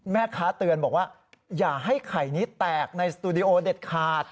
แม่ค้าเตือนบอกว่าอย่าให้ไข่นี้แตกในสตูดิโอเด็ดขาด